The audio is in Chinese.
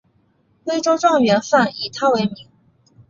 徽州状元饭以他为名。